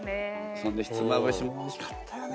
そんでひつまぶしもおいしかったよね！